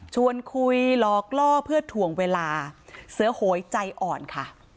ชวนคุยหลอกล่อเพื่อถ่วงเวลาเสือโหยใจอ่อนค่ะ